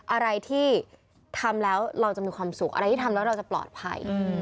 อะไรที่ทำแล้วเราจะมีความสุขอะไรที่ทำแล้วเราจะปลอดภัย